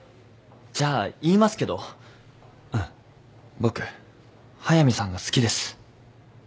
僕速見さんが好きです。